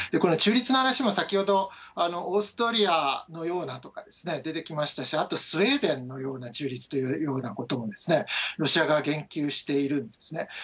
中立の話も先ほど、オーストリアのようなとか出てきましたし、あとスウェーデンのような中立というようなことも、ロシア側言及しているんですね。